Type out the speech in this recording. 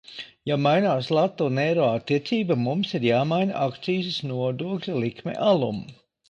Ja mainās lata un eiro attiecība, mums ir jāmaina arī akcīzes nodokļa likme alum.